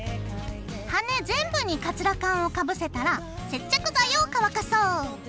羽根全部にカツラカンをかぶせたら接着剤を乾かそう。